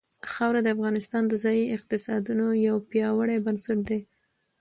خاوره د افغانستان د ځایي اقتصادونو یو پیاوړی بنسټ دی.